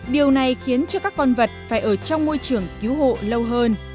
điều này khiến cho các con vật phải ở trong môi trường cứu hộ lâu hơn